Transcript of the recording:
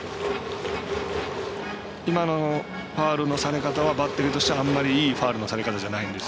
今のファウルのされ方はバッテリーとしてはあまりいいファウルのされ方じゃないんです。